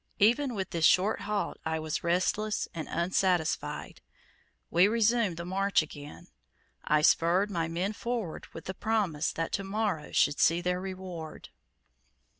Even with this short halt I was restless and unsatisfied. We resumed the march again. I spurred my men forward with the promise that to morrow should see their reward.